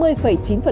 để quyết định